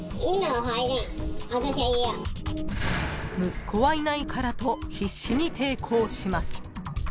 ［息子はいないからと必死に抵抗します］